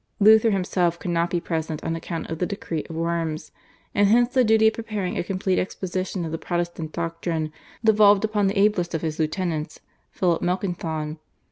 Luther himself could not be present on account of the decree of Worms, and hence the duty of preparing a complete exposition of the Protestant doctrine devolved upon the ablest of his lieutenants, Philip Melanchthon.